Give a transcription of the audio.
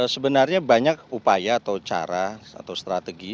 sebenarnya banyak upaya atau cara atau strategi